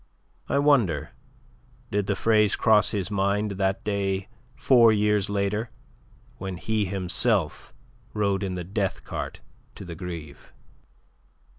I wonder did the phrase cross his mind that day four years later when himself he rode in the death cart to the Greve.